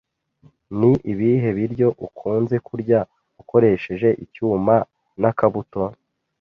Ni ibihe biryo ukunze kurya ukoresheje icyuma n'akabuto?